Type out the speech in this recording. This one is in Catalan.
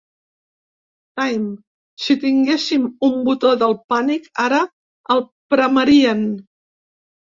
Time: ‘Si tinguéssim un botó del pànic, ara el premeríen’.